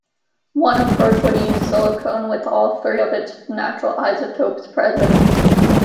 One approach would use silicon with all three of its natural isotopes present.